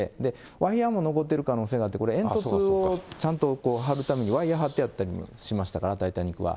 ワイヤーも残っている可能性もあって、えんとつをちゃんと張るためにワイヤー張ってあったりしましたから、タイタニックは。